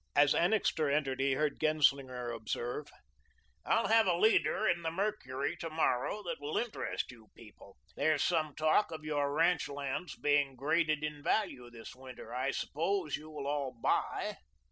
As Annixter entered he heard Genslinger observe: "I'll have a leader in the 'Mercury' to morrow that will interest you people. There's some talk of your ranch lands being graded in value this winter. I suppose you will all buy?"